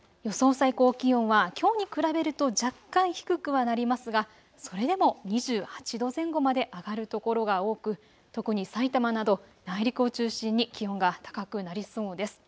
最高気温はきょうに比べると若干低くはなりますが、それでも２８度前後まで上がる所が多く特にさいたまなど内陸を中心に気温が高くなりそうです。